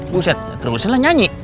buset terus beser lah nyanyi